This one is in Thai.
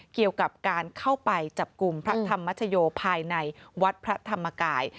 เกี่ยวกับการเข้าไปจับกลุ่มพระธรรมชโยภายในวัดพระธรรมกาย